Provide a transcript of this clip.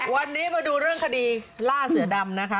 วันนี้มาดูเรื่องคดีล่าเสือดำนะคะ